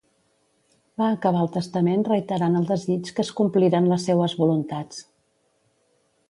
Va acabar el testament reiterant el desig que es compliren les seues voluntats.